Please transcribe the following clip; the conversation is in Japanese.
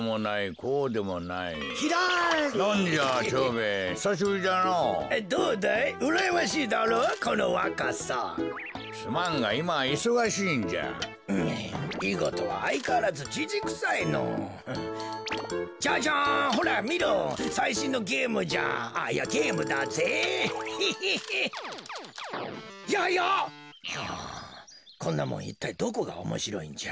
こころのこえはあこんなもんいったいどこがおもしろいんじゃ。